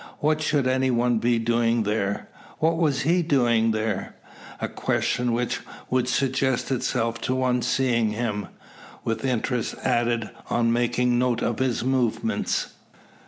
What should any one be doing there? What is he doing there? A question which would suggest itself to one seeing him; with interest added on making note of his movements.